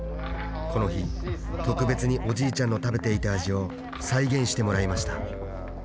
この日特別におじいちゃんの食べていた味を再現してもらいました